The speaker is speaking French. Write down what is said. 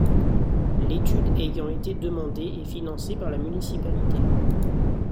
L'étude ayant été demandée et financée par la municipalité.